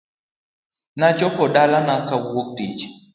Nachopo dalana kawuok tich .